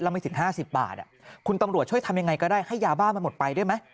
ละไม่ถึง๕๐บาทอะ